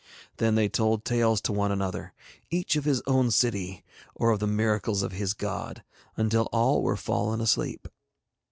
Then they told tales to one another, each of his own city or of the miracles of his god, until all were fallen asleep.